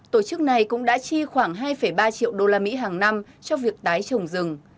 tổ chức này cũng đã chi khoảng hai ba triệu đô la mỹ hàng năm cho việc tái trồng rừng